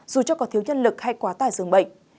dù cho có thiếu nhân lực hay quá tải dường bệnh